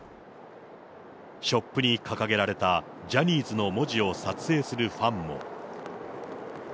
ショップに掲げられたジャニーズの文字を撮影するファンも。